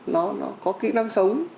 nó có kỹ năng sống